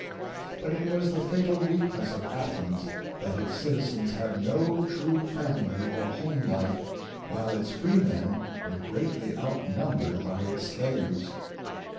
But it was the fatal weakness of Athens that its citi zens had no true family or home life, while its freemen were greatly outnumbered by its slaves.